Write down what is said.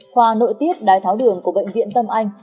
khoa nội tiết đái tháo đường của bệnh viện tâm anh